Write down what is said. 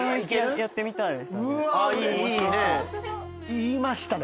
言いましたね？